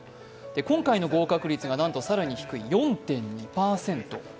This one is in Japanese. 今回の合格率がなんと更に低い４．２％。